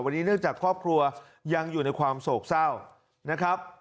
วันนี้เนื่องจากครอบครัวยังอยู่ในความโศกเศร้านะครับ